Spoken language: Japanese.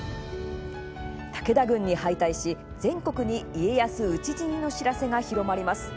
武田軍に敗退し全国に家康討ち死にの知らせが広まります。